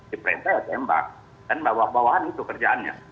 di perintah ya tembak dan bawa bawaan itu kerjaannya